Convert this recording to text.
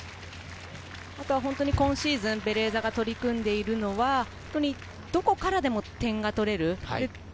今シーズン、ベレーザが取り組んでいるのは、どこからでも点が取れる。